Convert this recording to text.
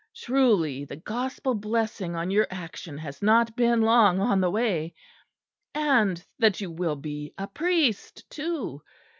Truly the Gospel blessing on your action has not been long on the way! And that you will be a priest, too!